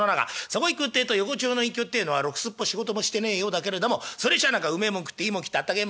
そこいくってえと横町の隠居ってえのはろくすっぽ仕事もしてねえようだけれどもそれにしちゃあうめえもん食っていいもん着て暖けえ